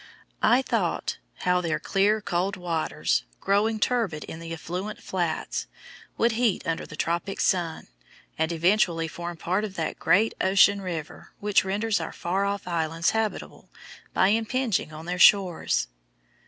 I thought how their clear cold waters, growing turbid in the affluent flats, would heat under the tropic sun, and eventually form part of that great ocean river which renders our far off islands habitable by impinging on their shores.